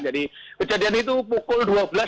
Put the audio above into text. jadi kejadian itu pukul dua belas tiga puluh